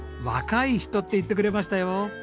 若い人って言ってくれましたよ。